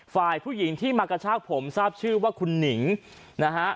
ฝ่ายผู้หญิงที่มากระชากผมทราบชื่อว่าคุณหนิงนะฮะ